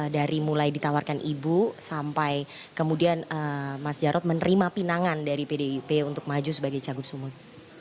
dari mulai ditawarkan ibu sampai kemudian mas jarod menerima pinangan dari pdip untuk maju sebagai cagup sumut